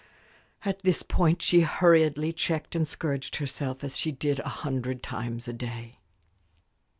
At this point she hurriedly checked and scourged herself, as she did a hundred times a day.